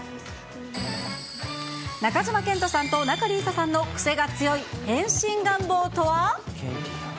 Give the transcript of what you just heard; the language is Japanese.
中島健人さんと仲里依紗さんの、癖が強い変身願望とは。